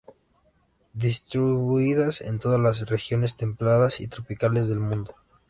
Distribuidas en todas las regiones templadas y tropicales del mundo.